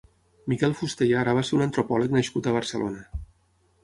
Miquel Fusté i Ara va ser un antropòleg nascut a Barcelona.